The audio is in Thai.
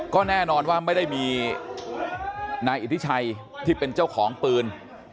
ก็แน่นอนว่าไม่ได้มีนายอิทธิชัยที่เป็นเจ้าของปืน